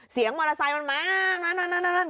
เสียงมอเตอร์ไซค์มันมา